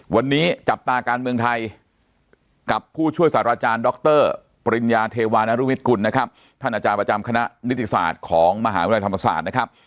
วันนี้จับตาการเมืองไทยกับผู้ช่วยศาสตราจารย์ดรปริญญาเทวานรุวิทย์กุลนะครับท่านอาจารย์ประจำคณะนิติศาสตร์ของมหาวิทยาลัยธรรมศาสตร์นะครับ